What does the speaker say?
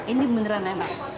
ini beneran enak